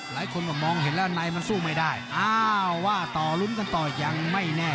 หลายคนก็มองเห็นแล้วในมันสู้ไม่ได้อ้าวว่าต่อลุ้นกันต่อยังไม่แน่